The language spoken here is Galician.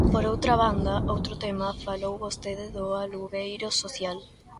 Por outra banda, outro tema: falou vostede do alugueiro social.